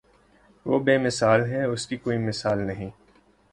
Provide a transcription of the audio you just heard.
وہ بے مثال ہے اس کی کوئی مثال نہیں